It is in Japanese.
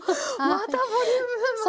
またボリューム満点の。